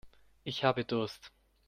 Ich habe Durst.